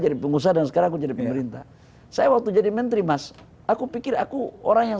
jadi pengusaha dan sekarang jadi pemerintah saya waktu jadi menteri mas aku pikir aku orang yang